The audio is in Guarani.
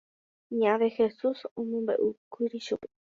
Ña Dejesús omombeʼúkuri chupe.